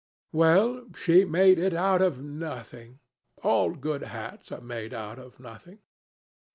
Well, she made it out of nothing. All good hats are made out of nothing."